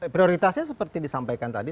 prioritasnya seperti disampaikan tadi